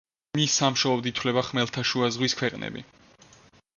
მის სამშობლოდ ითვლება ხმელთაშუა ზღვის ქვეყნები.